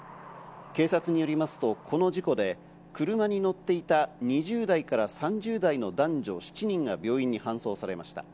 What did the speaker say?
警察によりますと、この事故で車に乗っていた２０代から３０代の男女７人が病院に搬送されました。